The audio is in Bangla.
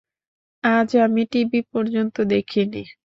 আজ আমি টিভি পর্যন্ত দেখি নি।